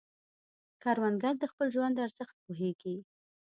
کروندګر د خپل ژوند ارزښت پوهیږي